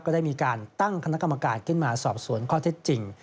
ได้มีการตั้งคณะกรรมการขึ้นมาสอบสวนข้อเท็จจริง